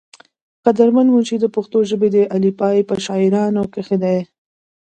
قدر مند منشي د پښتو ژبې د اعلى پائي پۀ شاعرانو کښې دے ۔